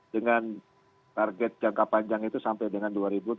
dengan target jangka panjang itu sampai dengan dua ribu dua puluh